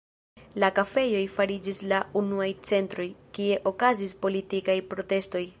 La kafejoj fariĝis la unuaj centroj, kie okazis politikaj protestoj.